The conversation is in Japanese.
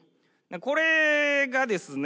これがですね